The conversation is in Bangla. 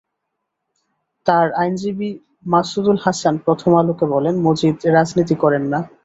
তাঁর আইনজীবী মাসুদুল হাসান প্রথম আলোকে বলেন, মজিদ রাজনীতি করেন না।